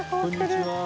こんにちは。